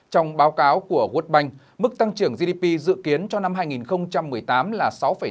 trong báo cáo của world bank mức tăng trưởng gdp dự kiến cho năm hai nghìn một mươi tám là sáu bảy